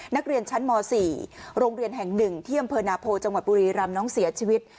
นักเรียนชั้นม๔โรงเรียนแห่ง๑ที่อำเภอนาโพจังหวัดบุรีรำน้องเสียชีวิต